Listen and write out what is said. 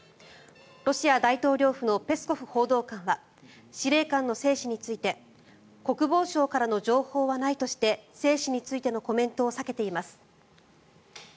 ロシア大統領府のペスコフ報道官は司令官の生死について国防省からの情報はないとして生死についてのコメントを避けています。